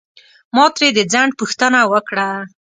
ما ترې د ځنډ پوښتنه وکړه.